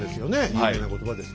有名な言葉です。